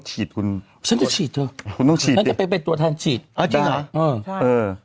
ฉีดคุณฉันจะฉีดเถอะคุณต้องฉีดนั่นจะเป็นตัวทางฉีดอ่าจริงหรอ